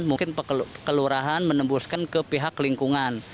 mungkin kelurahan menembuskan ke pihak lingkungan